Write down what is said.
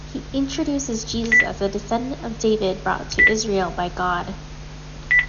He introduces Jesus as a descendant of David brought to Israel by God.